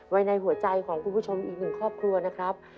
ไว้ในหัวใจของคุณผู้ชมอีกหนึ่งครอบครัวนะครับ